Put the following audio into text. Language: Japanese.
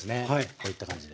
こういった感じで。